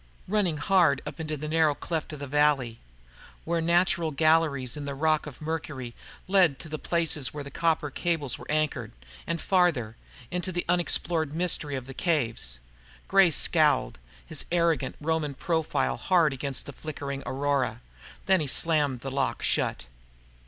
Running hard up into the narrowing cleft of the valley, where natural galleries in the rock of Mercury led to the places where the copper cables were anchored, and farther, into the unexplored mystery of the caves. Gray scowled, his arrogant Roman profile hard against the flickering aurora. Then he slammed the lock shut.